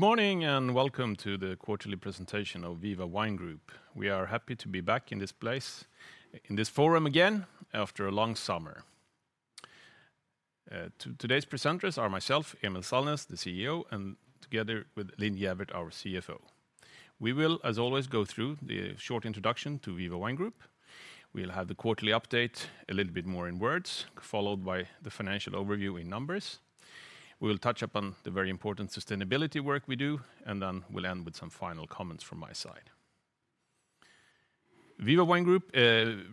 Good morning, and welcome to the quarterly presentation of Viva Wine Group. We are happy to be back in this place, in this forum again, after a long summer. Today's presenters are myself, Emil Sallnäs, the CEO, and together with Linn Gäfvert, our CFO. We will, as always, go through the short introduction to Viva Wine Group. We'll have the quarterly update a little bit more in words, followed by the financial overview in numbers. We will touch upon the very important sustainability work we do, and then we'll end with some final comments from my side. Viva Wine Group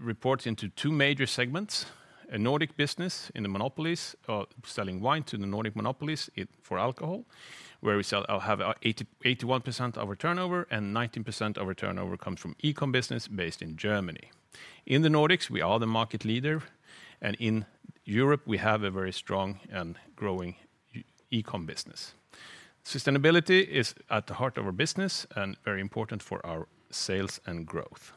reports into two major segments: a Nordic business in the monopolies, selling wine to the Nordic monopolies for alcohol, where we have 81% of our turnover, and 19% of our turnover comes from e-com business based in Germany. In the Nordics, we are the market leader, and in Europe, we have a very strong and growing e-com business. Sustainability is at the heart of our business and very important for our sales and growth.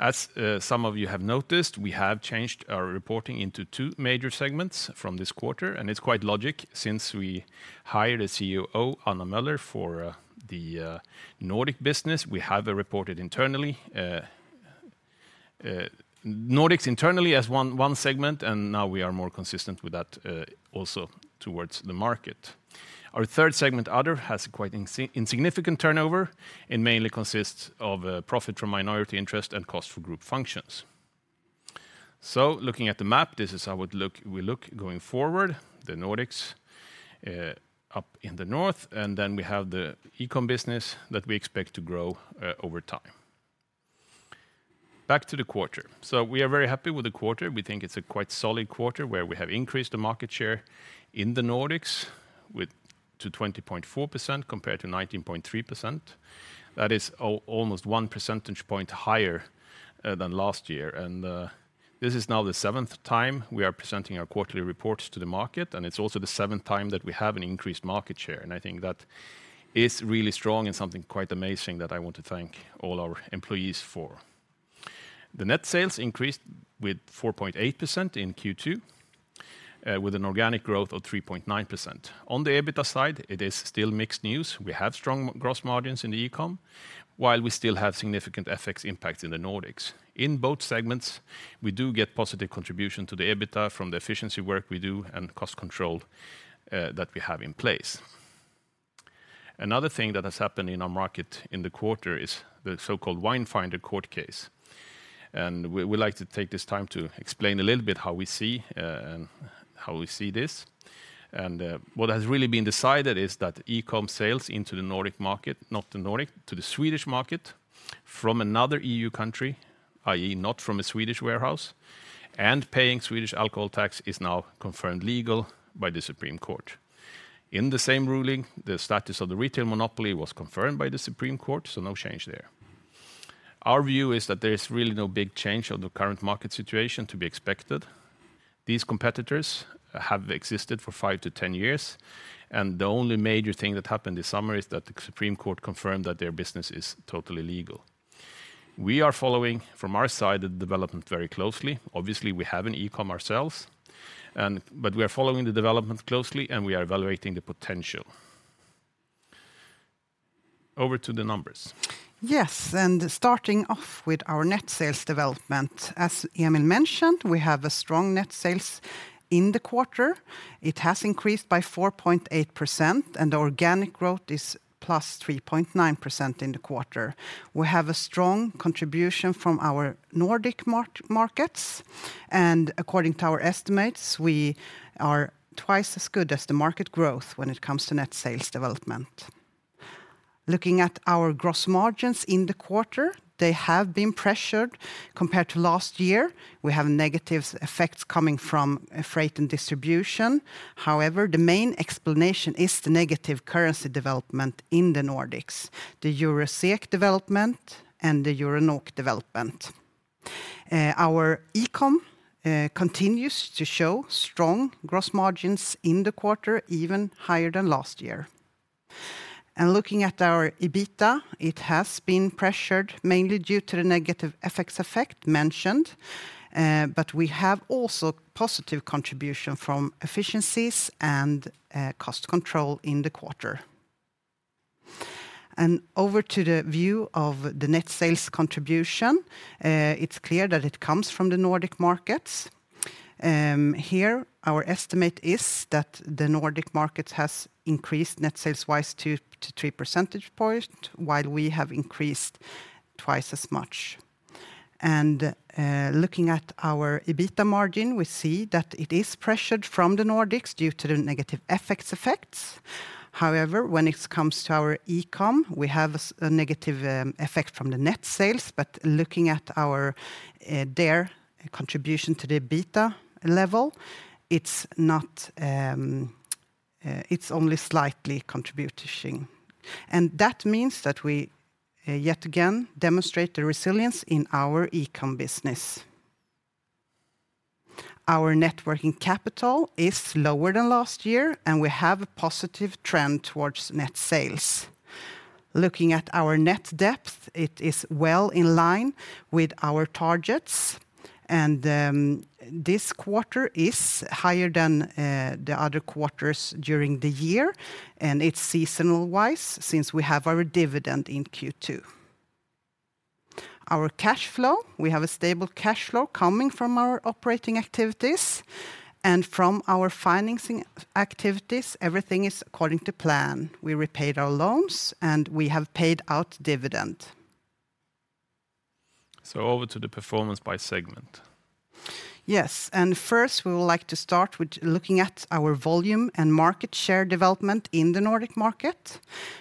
As some of you have noticed, we have changed our reporting into two major segments from this quarter, and it's quite logical, since we hired a COO, Anna Möller, for the Nordic business. We have reported internally Nordics internally as one segment, and now we are more consistent with that also towards the market. Our third segment, other, has quite insignificant turnover and mainly consists of profit from minority interest and cost for group functions. So looking at the map, this is how we look going forward, the Nordics, up in the north, and then we have the e-com business that we expect to grow over time. Back to the quarter. So we are very happy with the quarter. We think it's a quite solid quarter, where we have increased the market share in the Nordics with to 20.4% compared to 19.3%. That is almost one percentage point higher than last year, and this is now the Seventh time we are presenting our quarterly reports to the market, and it's also the Seventh time that we have an increased market share, and I think that is really strong and something quite amazing that I want to thank all our employees for. The net sales increased with 4.8% in Q2, with an organic growth of 3.9%. On the EBITDA side, it is still mixed news. We have strong gross margins in the e-com, while we still have significant FX impact in the Nordics. In both segments, we do get positive contribution to the EBITDA from the efficiency work we do and cost control that we have in place. Another thing that has happened in our market in the quarter is the so-called Winefinder court case, and we, we'd like to take this time to explain a little bit how we see, and how we see this. And, what has really been decided is that e-com sales into the Nordic market... not the Nordic, to the Swedish market, from another EU country, i.e., not from a Swedish warehouse, and paying Swedish alcohol tax, is now confirmed legal by the Supreme Court. In the same ruling, the status of the retail monopoly was confirmed by the Supreme Court, so no change there. Our view is that there is really no big change of the current market situation to be expected. These competitors have existed for 5-10 years, and the only major thing that happened this summer is that the Supreme Court confirmed that their business is totally legal. We are following, from our side, the development very closely. Obviously, we have an e-com ourselves, and but we are following the development closely, and we are evaluating the potential. Over to the numbers. Yes, starting off with our net sales development. As Emil mentioned, we have a strong net sales in the quarter. It has increased by 4.8%, and organic growth is +3.9% in the quarter. We have a strong contribution from our Nordic markets, and according to our estimates, we are twice as good as the market growth when it comes to net sales development. Looking at our gross margins in the quarter, they have been pressured compared to last year. We have negative effects coming from freight and distribution. However, the main explanation is the negative currency development in the Nordics, the EUR/SEK development and the EUR/NOK development. Our e-com continues to show strong gross margins in the quarter, even higher than last year. Looking at our EBITDA, it has been pressured, mainly due to the negative FX effect mentioned, but we have also positive contribution from efficiencies and cost control in the quarter. Over to the view of the net sales contribution, it's clear that it comes from the Nordic markets. Here, our estimate is that the Nordic markets has increased net sales-wise 2-3 percentage point, while we have increased twice as much. Looking at our EBITDA margin, we see that it is pressured from the Nordics due to the negative FX effects. However, when it comes to our e-com, we have a negative effect from the net sales, but looking at our their contribution to the EBITDA level, it's not, it's only slightly contributing. That means that we yet again demonstrate the resilience in our e-com business. Our Net Working Capital is lower than last year, and we have a positive trend towards net sales. Looking at our net debt, it is well in line with our targets, and this quarter is higher than the other quarters during the year, and it's seasonal-wise, since we have our dividend in Q2. Our cash flow, we have a stable cash flow coming from our operating activities. From our financing activities, everything is according to plan. We repaid our loans, and we have paid out dividend. Over to the performance by segment. Yes, and first, we would like to start with looking at our volume and market share development in the Nordic market.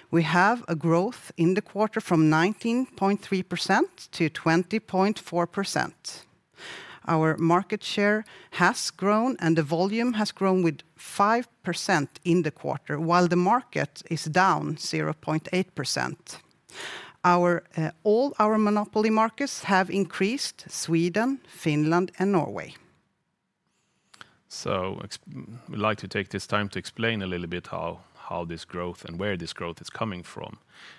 We have a growth in the quarter from 19.3%-20.4%. Our market share has grown, and the volume has grown with 5% in the quarter, while the market is down 0.8%. Our all our monopoly markets have increased: Sweden, Finland, and Norway. So we'd like to take this time to explain a little bit how this growth and where this growth is coming from,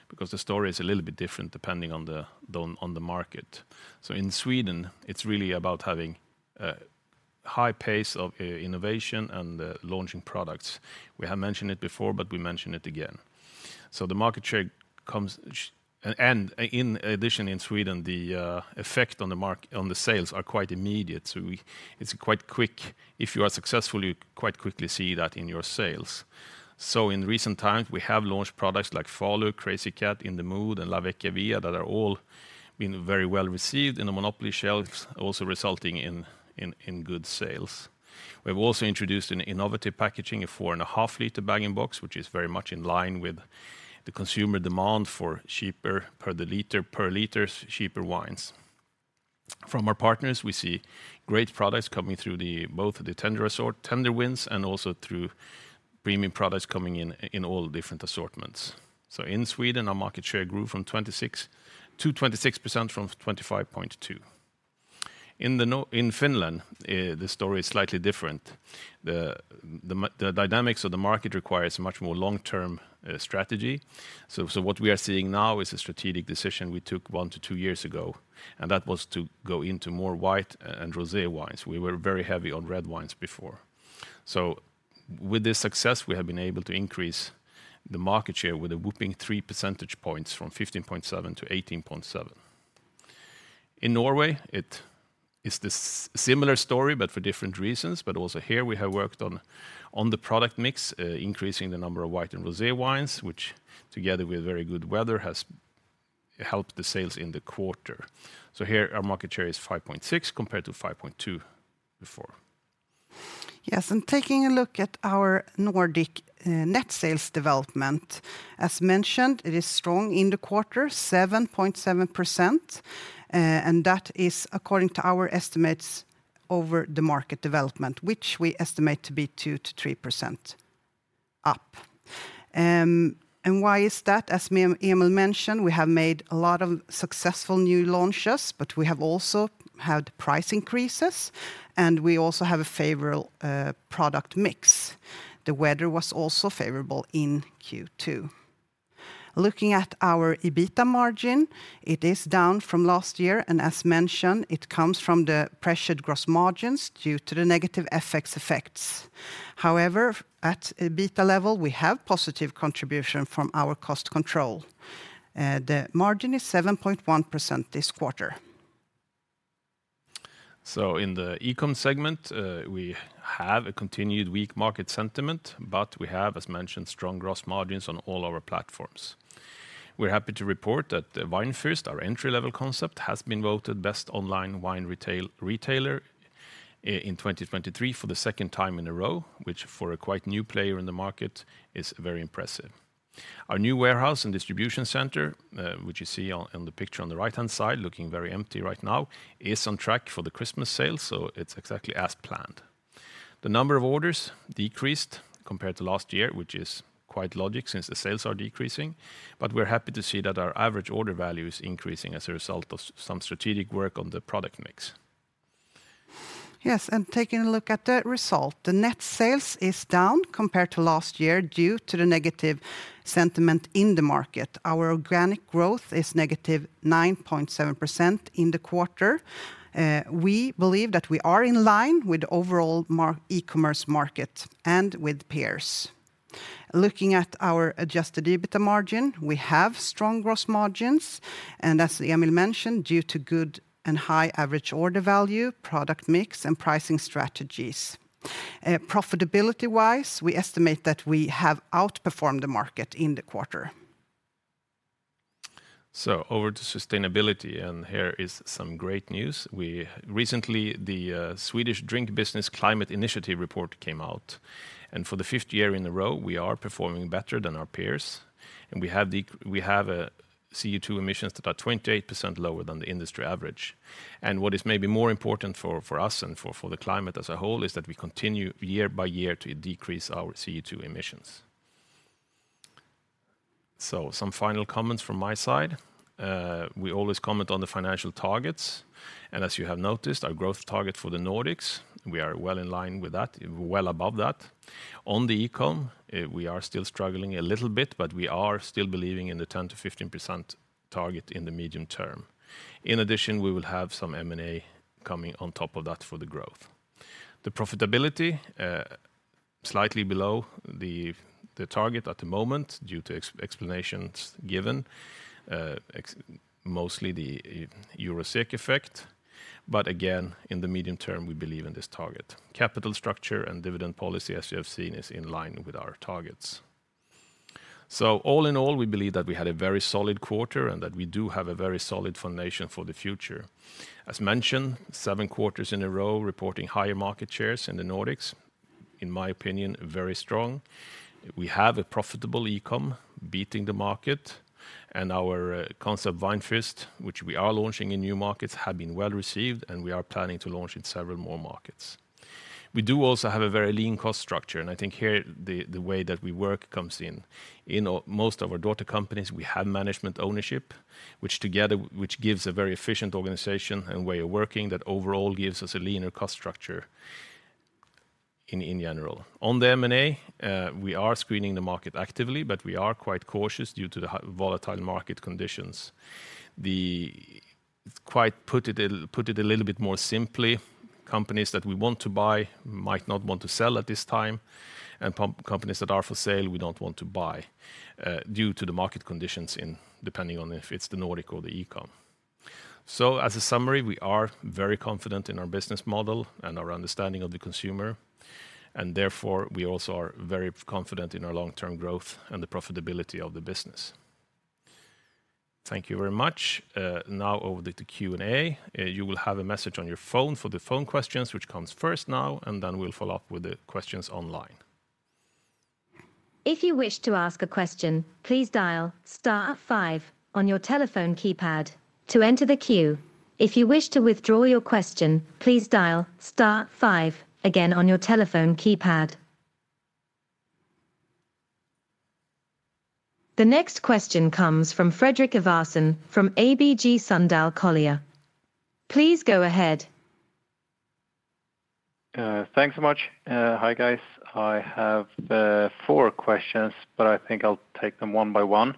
because the story is a little bit different depending on the market. So in Sweden, it's really about having high pace of innovation and launching products. We have mentioned it before, but we mention it again. So the market share comes and, and in addition, in Sweden, the effect on the sales are quite immediate, so we... It's quite quick. If you are successful, you quite quickly see that in your sales. So in recent times, we have launched products like Falu, Crazy Cat, In the Mood, and La Vecchia Via, that are all been very well-received in the monopoly shelves, also resulting in good sales. We've also introduced an innovative packaging, a 4.5-liter bag-in-box, which is very much in line with the consumer demand for cheaper per the liter, per liter, cheaper wines. From our partners, we see great products coming through the both the tender assortment, tender wins, and also through premium products coming in, in all different assortments. So in Sweden, our market share grew from 26 to 26% from 25.2. In Finland, the story is slightly different. The dynamics of the market requires a much more long-term strategy. So what we are seeing now is a strategic decision we took 1-2 years ago, and that was to go into more white and rosé wines. We were very heavy on red wines before. With this success, we have been able to increase the market share with a whopping 3 percentage points from 15.7%-18.7%. In Norway, it is the similar story, but for different reasons, but also here, we have worked on the product mix, increasing the number of white and rosé wines, which, together with very good weather, has helped the sales in the quarter. So here, our market share is 5.6%, compared to 5.2% before. Yes, and taking a look at our Nordic net sales development, as mentioned, it is strong in the quarter, 7.7%, and that is according to our estimates over the market development, which we estimate to be 2%-3% up. And why is that? As Emil mentioned, we have made a lot of successful new launches, but we have also had price increases, and we also have a favorable product mix. The weather was also favorable in Q2. Looking at our EBITDA margin, it is down from last year, and as mentioned, it comes from the pressured gross margins due to the negative FX effects. However, at EBITDA level, we have positive contribution from our cost control. The margin is 7.1% this quarter. In the e-com segment, we have a continued weak market sentiment, but we have, as mentioned, strong gross margins on all our platforms. We're happy to report that, Weinfürst, our entry-level concept, has been voted best online wine retailer in 2023 for the second time in a row, which for a quite new player in the market, is very impressive. Our new warehouse and distribution center, which you see on the picture on the right-hand side, looking very empty right now, is on track for the Christmas sale, so it's exactly as planned. The number of orders decreased compared to last year, which is quite logical, since the sales are decreasing, but we're happy to see that our average order value is increasing as a result of some strategic work on the product mix. Yes, and taking a look at the result, the net sales is down compared to last year due to the negative sentiment in the market. Our organic growth is negative 9.7% in the quarter. We believe that we are in line with the overall e-commerce market and with peers. Looking at our adjusted EBITDA margin, we have strong gross margins, and as Emil mentioned, due to good and high average order value, product mix, and pricing strategies. Profitability-wise, we estimate that we have outperformed the market in the quarter. So over to sustainability, and here is some great news. Recently, the Swedish Drink Business Climate Initiative report came out, and for the fifth year in a row, we are performing better than our peers, and we have a CO2 emissions that are 28% lower than the industry average. And what is maybe more important for us and for the climate as a whole, is that we continue year by year to decrease our CO2 emissions. So some final comments from my side. We always comment on the financial targets, and as you have noticed, our growth target for the Nordics, we are well in line with that, well above that. On the e-com, we are still struggling a little bit, but we are still believing in the 10%-15% target in the medium term. In addition, we will have some M&A coming on top of that for the growth. The profitability, slightly below the target at the moment, due to explanations given, mostly the EUR/SEK effect. But again, in the medium term, we believe in this target. Capital structure and dividend policy, as you have seen, is in line with our targets. So all in all, we believe that we had a very solid quarter and that we do have a very solid foundation for the future. As mentioned, seven quarters in a row, reporting higher market shares in the Nordics, in my opinion, very strong. We have a profitable e-com beating the market, and our concept, Weinfürst, which we are launching in new markets, have been well received, and we are planning to launch in several more markets. We do also have a very lean cost structure, and I think here, the way that we work comes in. In most of our daughter companies, we have management ownership, which gives a very efficient organization and way of working, that overall gives us a leaner cost structure in general. On the M&A, we are screening the market actively, but we are quite cautious due to the volatile market conditions. To put it a little bit more simply, companies that we want to buy might not want to sell at this time, and companies that are for sale, we don't want to buy due to the market conditions, depending on if it's the Nordic or the e-com. As a summary, we are very confident in our business model and our understanding of the consumer, and therefore, we also are very confident in our long-term growth and the profitability of the business. Thank you very much. Now over to Q&A. You will have a message on your phone for the phone questions, which comes first now, and then we'll follow up with the questions online. If you wish to ask a question, please dial star five on your telephone keypad to enter the queue. If you wish to withdraw your question, please dial star five again on your telephone keypad. The next question comes from Fredrik Ivarsson, from ABG Sundal Collier. Please go ahead. Thanks so much. Hi, guys. I have four questions, but I think I'll take them one by one.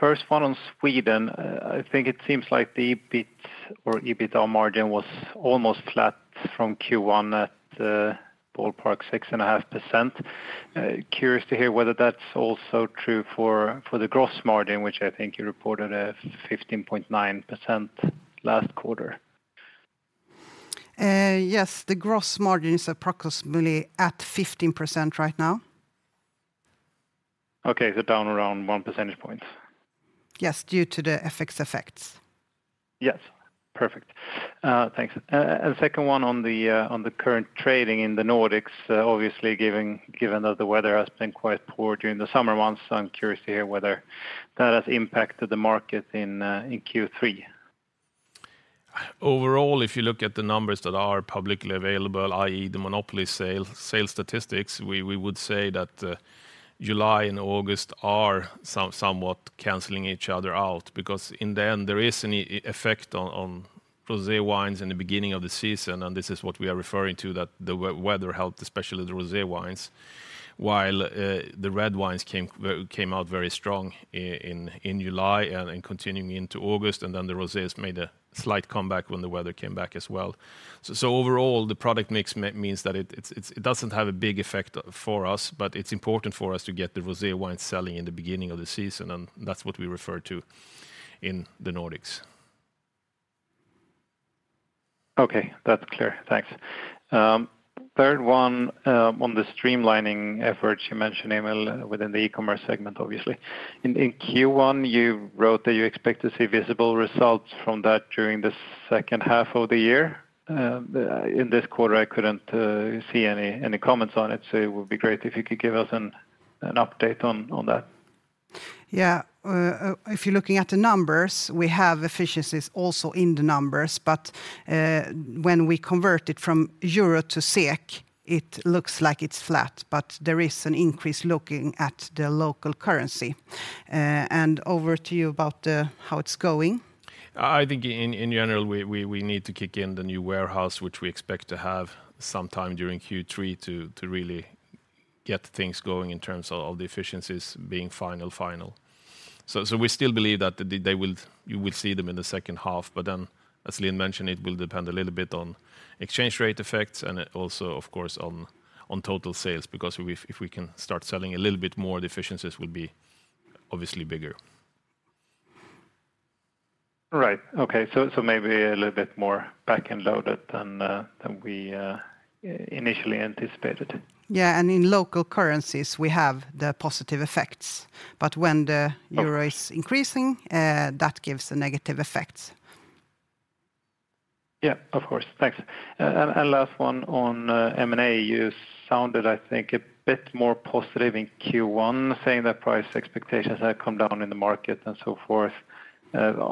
First one on Sweden, I think it seems like the EBIT or EBITDA margin was almost flat from Q1 at ballpark 6.5%. Curious to hear whether that's also true for the gross margin, which I think you reported as 15.9% last quarter. Yes, the gross margin is approximately at 15% right now. Okay, down around 1 percentage point. Yes, due to the FX effects. Yes. Perfect. Thanks. And second one on the current trading in the Nordics, obviously, given that the weather has been quite poor during the summer months, I'm curious to hear whether that has impacted the market in Q3. Overall, if you look at the numbers that are publicly available, i.e., the monopoly sales statistics, we would say that July and August are somewhat canceling each other out because in the end, there is an effect on rose wines in the beginning of the season, and this is what we are referring to, that the weather helped, especially the rose wines. While the red wines came out very strong in July and continuing into August, and then the roses made a slight comeback when the weather came back as well. So overall, the product mix means that it doesn't have a big effect for us, but it's important for us to get the rose wine selling in the beginning of the season, and that's what we refer to in the Nordics. Okay, that's clear. Thanks. Third one, on the streamlining efforts, you mentioned, Emil, within the e-commerce segment, obviously. In Q1, you wrote that you expect to see visible results from that during the second half of the year. In this quarter, I couldn't see any comments on it, so it would be great if you could give us an update on that. Yeah. If you're looking at the numbers, we have efficiencies also in the numbers, but, when we convert it from EUR to SEK, it looks like it's flat, but there is an increase looking at the local currency. And over to you about how it's going. I think in general, we need to kick in the new warehouse, which we expect to have sometime during Q3, to really get things going in terms of the efficiencies being final. So we still believe that you will see them in the second half, but then, as Linn mentioned, it will depend a little bit on exchange rate effects and also, of course, on total sales, because if we can start selling a little bit more, the efficiencies will be obviously bigger. Right. Okay. So, maybe a little bit more back-end loaded than we initially anticipated. Yeah, and in local currencies, we have the positive effects, but when the euro is increasing, that gives the negative effects. Yeah, of course. Thanks. And last one on M&A, you sounded, I think, a bit more positive in Q1, saying that price expectations have come down in the market and so forth...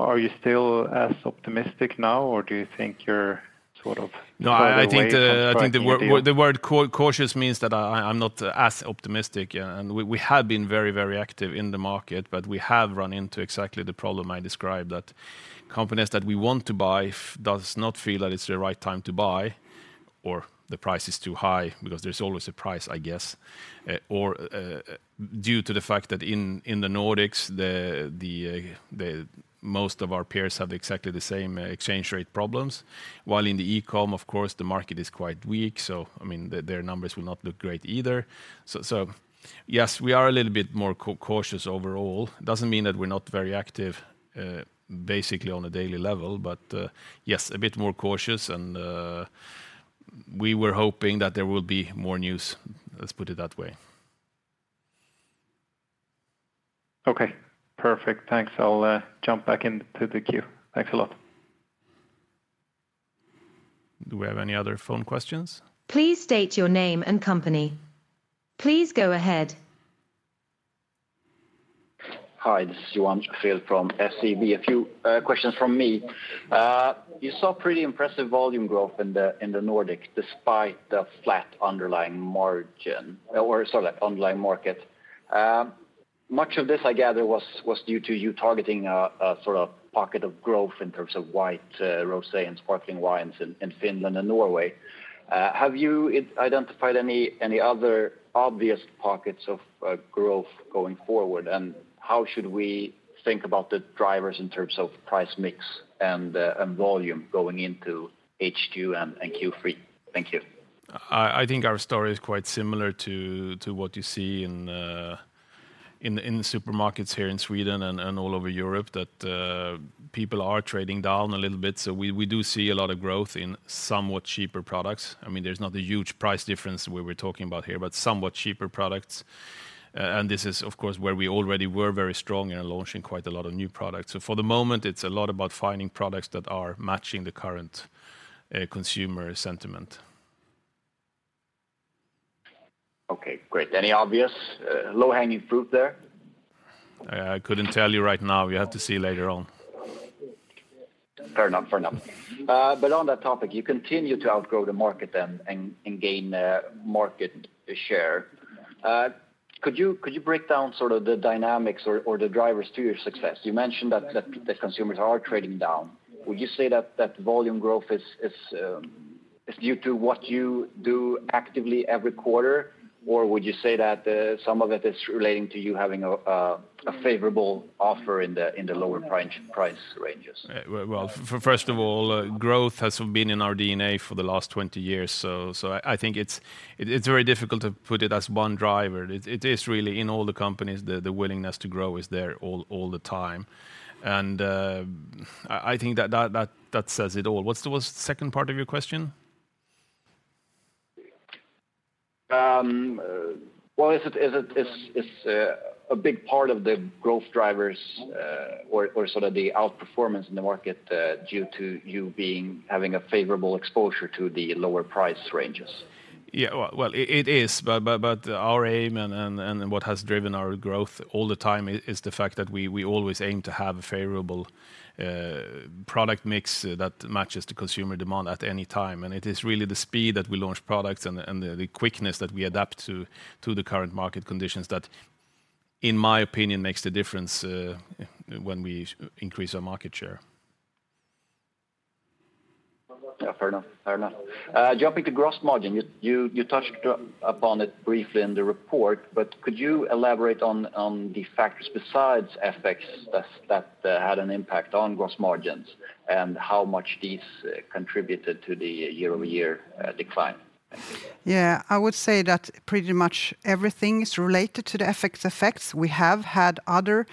are you still as optimistic now, or do you think you're sort of- No, I think the word- further away from striking a deal? The word cautious means that I'm not as optimistic. And we have been very, very active in the market, but we have run into exactly the problem I described, that companies that we want to buy does not feel that it's the right time to buy or the price is too high, because there's always a price, I guess. Or due to the fact that in the Nordics, the most of our peers have exactly the same exchange rate problems, while in the e-com, of course, the market is quite weak. So, I mean, their numbers will not look great either. So yes, we are a little bit more cautious overall. It doesn't mean that we're not very active, basically on a daily level, but, yes, a bit more cautious and, we were hoping that there will be more news, let's put it that way. Okay, perfect. Thanks. I'll jump back into the queue. Thanks a lot. Do we have any other phone questions? Please state your name and company. Please go ahead. Hi, this is Johan Fred from SEB. A few questions from me. You saw pretty impressive volume growth in the Nordics, despite the flat underlying margin, or sorry, underlying market. Much of this, I gather, was due to you targeting a sort of pocket of growth in terms of white, rosé and sparkling wines in Finland and Norway. Have you identified any other obvious pockets of growth going forward? And how should we think about the drivers in terms of price mix and volume going into Q2 and Q3? Thank you. I think our story is quite similar to what you see in the supermarkets here in Sweden and all over Europe, that people are trading down a little bit. So we do see a lot of growth in somewhat cheaper products. I mean, there's not a huge price difference where we're talking about here, but somewhat cheaper products. And this is, of course, where we already were very strong in launching quite a lot of new products. So for the moment, it's a lot about finding products that are matching the current consumer sentiment. Okay, great. Any obvious, low-hanging fruit there? I couldn't tell you right now. We have to see later on. Fair enough. Fair enough. But on that topic, you continue to outgrow the market and gain market share. Could you break down sort of the dynamics or the drivers to your success? You mentioned that the consumers are trading down. Would you say that volume growth is due to what you do actively every quarter, or would you say that some of it is relating to you having a favorable offer in the lower price ranges? Well, first of all, growth has been in our DNA for the last 20 years, so I think it's very difficult to put it as one driver. It is really in all the companies, the willingness to grow is there all the time. And I think that says it all. What's the second part of your question? Well, is it a big part of the growth drivers, or sort of the outperformance in the market, due to you having a favorable exposure to the lower price ranges? Yeah, well, it is, but our aim and what has driven our growth all the time is the fact that we always aim to have a favorable product mix that matches the consumer demand at any time. And it is really the speed that we launch products and the quickness that we adapt to the current market conditions that, in my opinion, makes the difference when we increase our market share. Yeah, fair enough. Fair enough. Jumping to gross margin, you touched upon it briefly in the report, but could you elaborate on the factors besides effects that had an impact on gross margins and how much these contributed to the year-over-year decline? Thank you. Yeah, I would say that pretty much everything is related to the effects. We have had other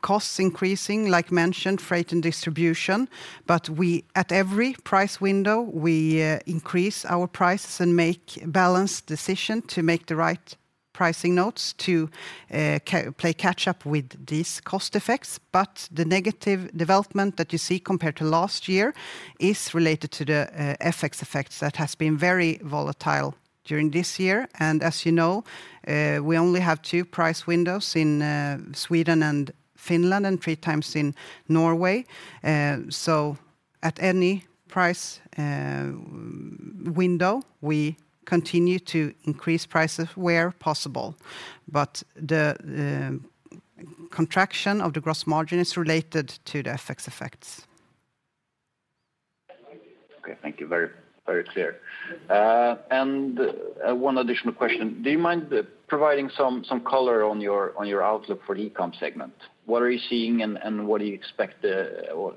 costs increasing, like mentioned, freight and distribution, but we at every price window increase our prices and make balanced decision to make the right pricing notes to catch up with these cost effects. But the negative development that you see compared to last year is related to the FX effects that has been very volatile during this year. And as you know, we only have two price windows in Sweden and Finland, and 3x in Norway. So at any price window, we continue to increase prices where possible, but the contraction of the gross margin is related to the FX effects. Okay, thank you. Very, very clear. And one additional question: Do you mind providing some color on your outlook for the e-com segment? What are you seeing, and what do you expect, or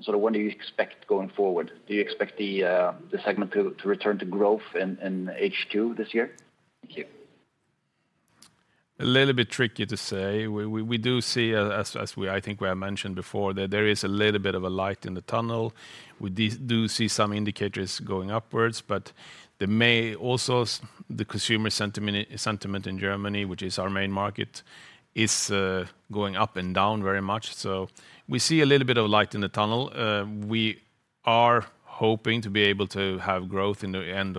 sort of what do you expect going forward? Do you expect the segment to return to growth in Q2 this year? Thank you. A little bit tricky to say. We do see, as we, I think we have mentioned before, that there is a little bit of a light in the tunnel. We do see some indicators going upwards, but in May, also, the consumer sentiment in Germany, which is our main market, is going up and down very much. So we see a little bit of light in the tunnel. We are hoping to be able to have growth in the end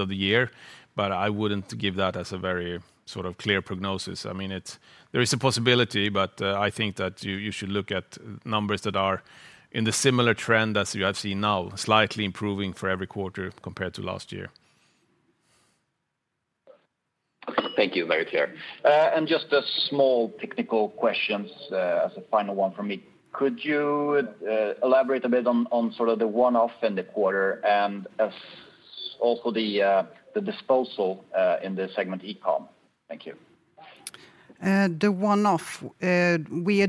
of the year, but I wouldn't give that as a very sort of clear prognosis. I mean, it's, there is a possibility, but I think that you should look at numbers that are in the similar trend as you have seen now, slightly improving for every quarter compared to last year. Thank you. Very clear. Just a small technical question, as a final one from me. Could you elaborate a bit on sort of the one-off in the quarter and also the disposal in the segment e-com? Thank you. The one-off, we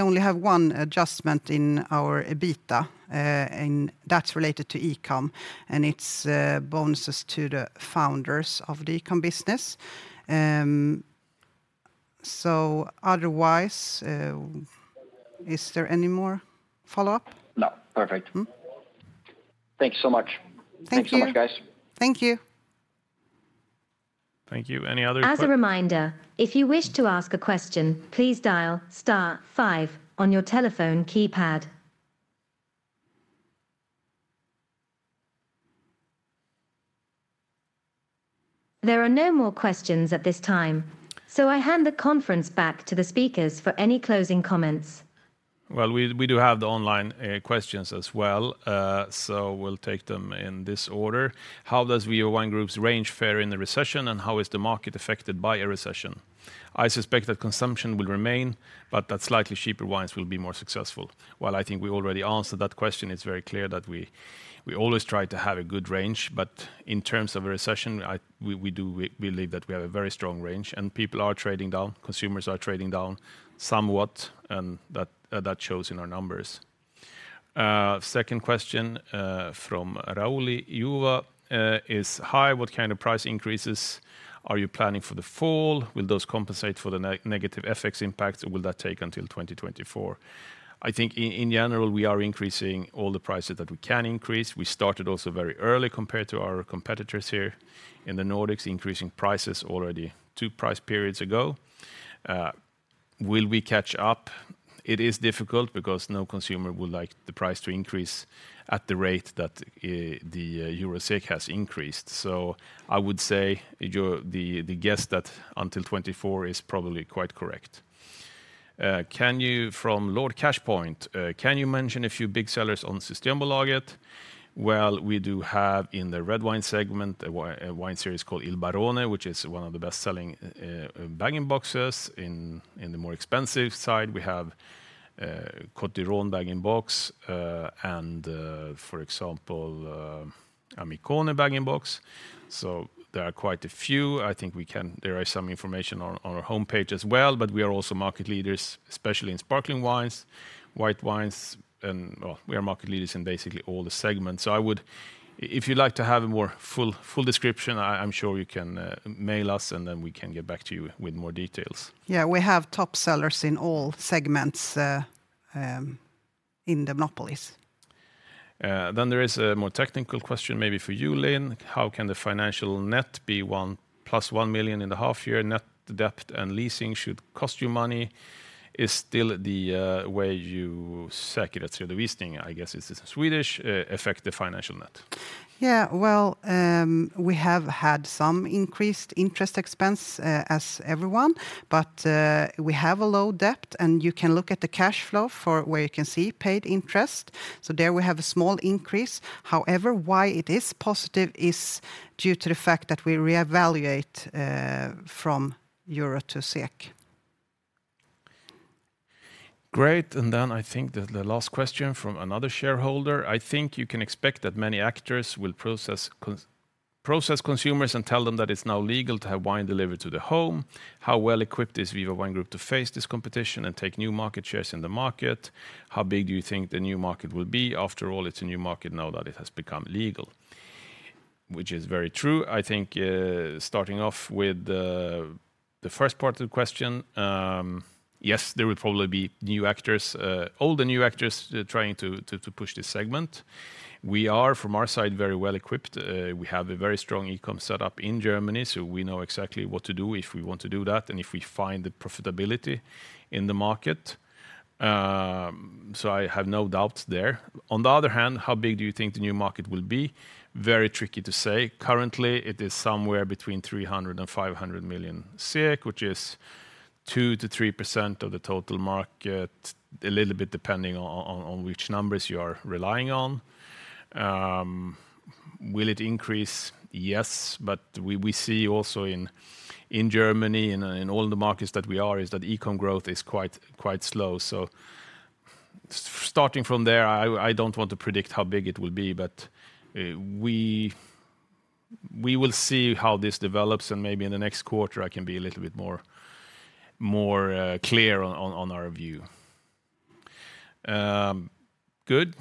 only have one adjustment in our EBITDA, and that's related to e-com, and it's bonuses to the founders of the e-com business. So otherwise, is there any more follow-up? No. Perfect. Hmm. Thank you so much. Thank you. Thanks so much, guys. Thank you. Thank you. Any other que- As a reminder, if you wish to ask a question, please dial star five on your telephone keypad. There are no more questions at this time, so I hand the conference back to the speakers for any closing comments. Well, we, we do have the online questions as well, so we'll take them in this order. "How does Viva Wine Group's range fare in the recession, and how is the market affected by a recession? I suspect that consumption will remain, but that slightly cheaper wines will be more successful." Well, I think we already answered that question. It's very clear that we, we always try to have a good range, but in terms of a recession, We, we do, we, believe that we have a very strong range, and people are trading down, consumers are trading down somewhat, and that, that shows in our numbers. Second question from Rauli Juva is: "Hi, what kind of price increases are you planning for the fall? Will those compensate for the negative FX impact, or will that take until 2024? I think in general, we are increasing all the prices that we can increase. We started also very early compared to our competitors here in the Nordics, increasing prices already two price periods ago. Will we catch up? It is difficult because no consumer would like the price to increase at the rate that the EUR/SEK has increased. So I would say your guess that until 2024 is probably quite correct. "Can you..." From Lord Cashpoint: "Can you mention a few big sellers on Systembolaget?" Well, we do have, in the red wine segment, a wine series called Il Barone, which is one of the best-selling bag-in-boxes. In the more expensive side, we have Côtes du Rhône bag-in-box, and, for example, Amicone bag-in-box. So there are quite a few. There is some information on our homepage as well, but we are also market leaders, especially in sparkling wines, white wines, and, well, we are market leaders in basically all the segments. If you'd like to have a more full description, I'm sure you can mail us, and then we can get back to you with more details. Yeah, we have top sellers in all segments, in the monopolies. Then there is a more technical question maybe for you, Linn. "How can the financial net be plus 1 million in the half year? Net debt and leasing should cost you money. Is still the way you... " I guess this is Swedish, "affect the financial net? Yeah, well, we have had some increased interest expense as everyone, but we have a low debt, and you can look at the cash flow for where you can see paid interest. So there, we have a small increase. However, why it is positive is due to the fact that we reevaluate from EUR to SEK. Great, and then I think the last question from another shareholder: "I think you can expect that many actors will process consumers and tell them that it's now legal to have wine delivered to their home. How well equipped is Viva Wine Group to face this competition and take new market shares in the market? How big do you think the new market will be? After all, it's a new market now that it has become legal." Which is very true. I think, starting off with the first part of the question, yes, there will probably be new actors, old and new actors, trying to push this segment. We are, from our side, very well equipped. We have a very strong e-com setup in Germany, so we know exactly what to do if we want to do that and if we find the profitability in the market. So I have no doubts there. On the other hand, how big do you think the new market will be? Very tricky to say. Currently, it is somewhere between 300 million and 500 million SEK, which is 2%-3% of the total market, a little bit depending on which numbers you are relying on. Will it increase? Yes, but we see also in Germany and in all the markets that we are is that e-com growth is quite slow. So starting from there, I, I don't want to predict how big it will be, but we, we will see how this develops, and maybe in the next quarter, I can be a little bit more, more clear on, on, on our view. Good.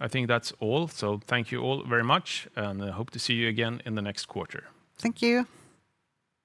I think that's all. So thank you all very much, and I hope to see you again in the next quarter. Thank you!